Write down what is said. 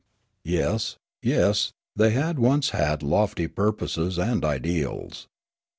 Yes, yes, they had once had lofty purposes and ideals.